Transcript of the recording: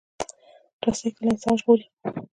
رسۍ کله انسان ژغوري.